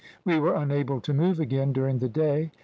We were unable to move again during the day.